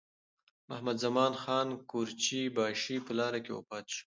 محمدزمان خان قورچي باشي په لاره کې وفات شو.